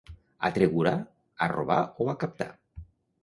A Tregurà, a robar o a captar.